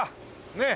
ねえ。